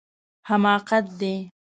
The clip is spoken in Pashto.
حماقت دی